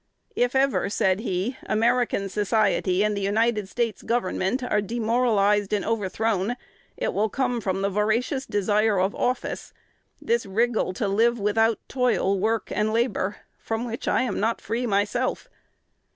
"If ever," said he, "American society and the United States Government are demoralized and overthrown, it will come from the voracious desire of office, this wriggle to live without toil, work, and labor, from which I am not free myself."